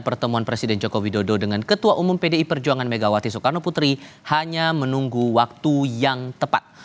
pertemuan presiden joko widodo dengan ketua umum pdi perjuangan megawati soekarno putri hanya menunggu waktu yang tepat